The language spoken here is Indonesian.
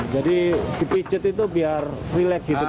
jadi dipijat itu biar rilek gitu